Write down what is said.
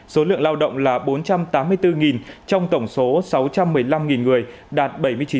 số lượng lao động là bốn trăm tám mươi bốn trong tổng số sáu trăm một mươi năm người đạt bảy mươi chín